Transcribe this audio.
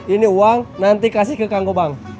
ini uang nanti kasih ke kang gobang